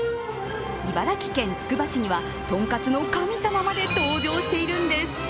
茨城県つくば市にはトンカツの神様まで登場しているんです。